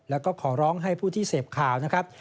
แล้วก็ขอร้องให้ผู้ที่เสพข่าวนะครับ